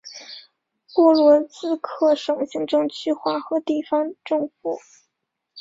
波罗兹克省行政区划和地方政府。